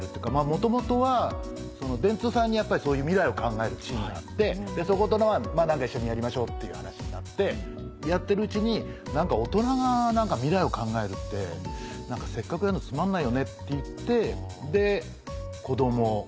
元々は電通さんにそういう未来を考えるチームがあってそこと何か一緒にやりましょうっていう話になってやってるうちに「何か大人が未来を考えるってせっかくやるのにつまんないよね」って言ってで子ども。